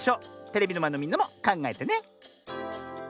テレビのまえのみんなもかんがえてね。